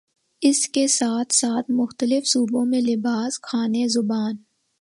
اس کے ساتھ ساتھ مختلف صوبوں میں لباس، کھانے، زبان